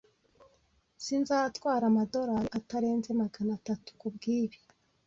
Sinzatwara amadorari atarenze magana atatu kubwibi